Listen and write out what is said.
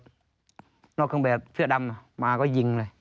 นอกเครื่องแบบเสื้อดำมาก็ยิงเลย